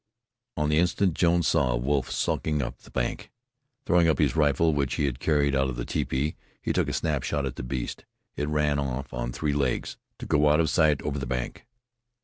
On the instant Jones saw a wolf skulking up the bank. Throwing up his rifle, which he had carried out of the tepee, he took a snap shot at the beast. It ran off on three legs, to go out of sight over the hank.